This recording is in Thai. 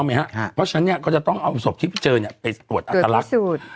เพราะฉะนั้นเนี่ยก็จะต้องเอาศพที่เจอไปตรวจอัตลักษณ์